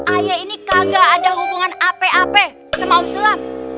aye ini kagak ada hubungan ape ape sama bang sulam